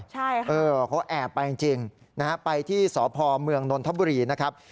เขาแอบไปจริงนะฮะไปที่สพเมืองนทบุรีนะครับ